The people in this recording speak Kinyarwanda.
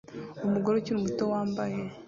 Umugore ukiri muto wambaye